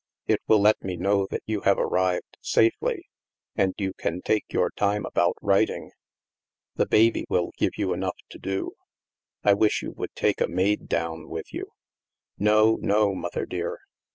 It will let me know that you have arrived safely, and you can take your time about writing. The baby will give you enough to do. I wish you would take a maid down with you." " No, no, Mother dear.